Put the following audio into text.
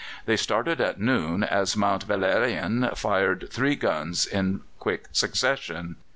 They started at noon, as Mont Valérien fired three guns in quick succession.